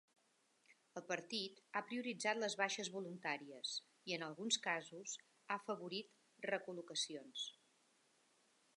El partit ha prioritzat les baixes voluntàries i, en alguns casos, ha afavorit recol·locacions.